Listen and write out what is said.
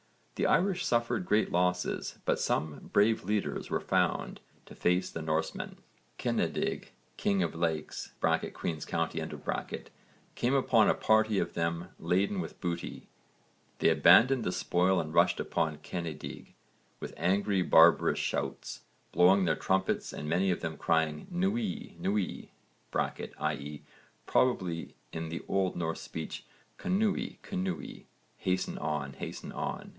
The Irish suffered great losses but some brave leaders were found to face the Norsemen. Cennedigh, king of Leix (Queen's County), came upon a party of them laden with booty; they abandoned the spoil and rushed upon Cennedigh with angry barbarous shouts, blowing their trumpets and many of them crying nui, nui (i.e. probably, in the old Norse speech, knúi, knúi, 'hasten on, hasten on').